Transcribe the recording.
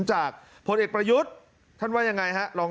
จากผลเอกประยุทธมภิกษ์